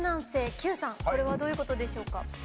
キューさん、これはどういうことでしょうか？